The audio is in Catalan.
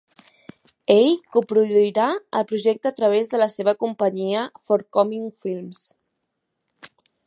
Ell coproduirà el projecte a través de la seva companyia, Forthcoming Films.